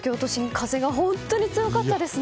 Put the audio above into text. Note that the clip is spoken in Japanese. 風が本当に強かったですね。